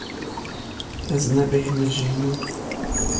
Ez nebêhnijîme.